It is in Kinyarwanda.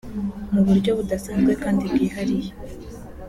Mu buryo budasanzwe kandi bwihariye